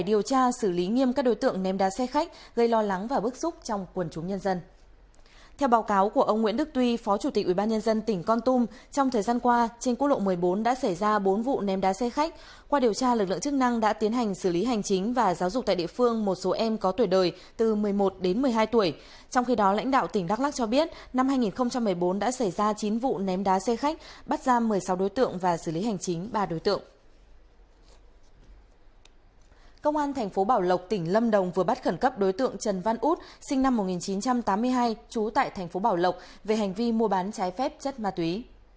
đối tượng trần văn út sinh năm một nghìn chín trăm tám mươi hai trú tại thành phố bảo lộc về hành vi mua bán trái phép chất ma túy